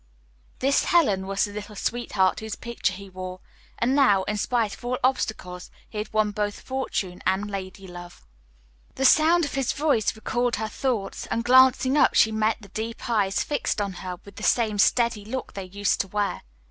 This Helen was the little sweetheart whose picture he wore, and now, in spite of all obstacles, he had won both fortune and ladylove. The sound of his voice recalled her thoughts, and glancing up she met the deep eyes fixed on her with the same steady look they used to wear.